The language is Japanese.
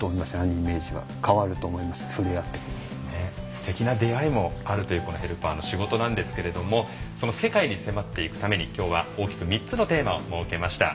すてきな出会いもあるというヘルパーの仕事なんですけれどもその世界に迫っていくために今日は大きく３つのテーマを設けました。